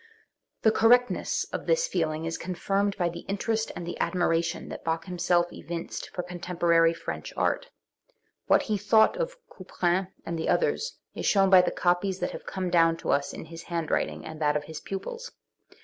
The correctness of tins feeling is confirmed by the interest and the admiration that Bach himself evinced for contem porary French art. What he thought of Couperin and the others is shewn by the copies that have come down to us in his handwriting and that of his pupils.